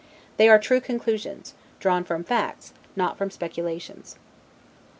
They are true conclusions, drawn from facts, not from speculations.